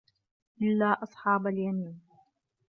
إِلّا أَصحابَ اليَمينِ